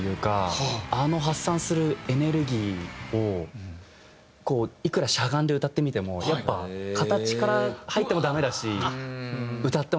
あの発散するエネルギーをこういくらしゃがんで歌ってみてもやっぱ形から入ってもダメだし歌ってもダメだし。